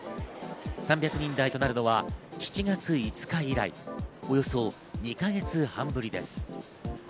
３００人台となるのは７月５日以来、およそ２か月半ぶりです。